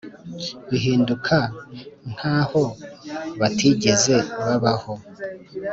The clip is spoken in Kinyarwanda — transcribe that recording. bahinduka nk’aho batigeze babaho,